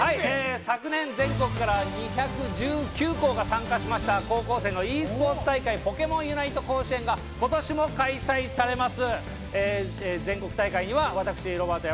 昨年全国から２１９校が参加しました高校生のｅスポーツ大会、ポケモンユナイト甲子園が今年も開催されます。